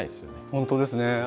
本当ですね。